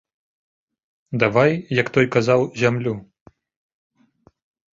Давай, як той казаў, зямлю.